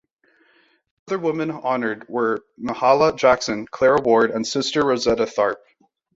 The other women honored were Mahalia Jackson, Clara Ward, and Sister Rosetta Tharpe.